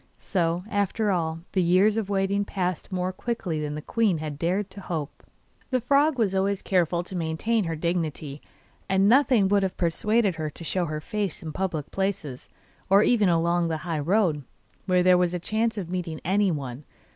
So, after all, the years of waiting passed more quickly than the queen had dared to hope. The frog was always careful to maintain her dignity, and nothing would have persuaded her to show her face in public places, or even along the high road, where there was a chance of meeting anyone.